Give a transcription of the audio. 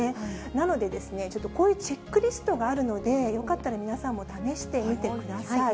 なので、ちょっとこういうチェックリストがあるので、よかったら皆さんも試してみてください。